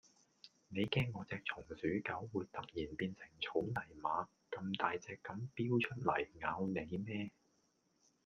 你驚我隻松鼠狗會突然變成草泥馬咁大隻咁標出嚟咬你咩